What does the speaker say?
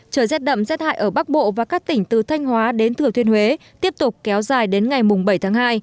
trời rét đậm rét hại ở bắc bộ và các tỉnh từ thanh hóa đến thừa thiên huế tiếp tục kéo dài đến ngày bảy tháng hai